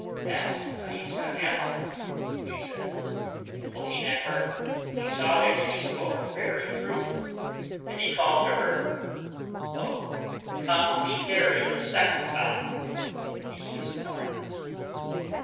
"That Thaisa am I," she said, and looking at her, he saw that she spoke the very truth, and he called to her — "O come, be buried a second time in these arms